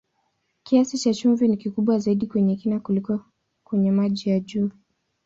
Kiasi cha chumvi ni kikubwa zaidi kwenye kina kuliko kwenye maji ya juu.